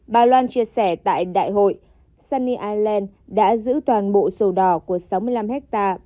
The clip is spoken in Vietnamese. bà loan chia sẻ tại đại hội sunny island đã giữ toàn bộ sổ đỏ của sáu mươi năm hectare